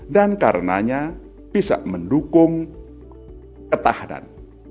dan karena itu bisa mendukung ketahanan